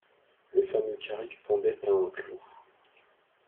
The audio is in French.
Le fameux carrick pendait à un clou.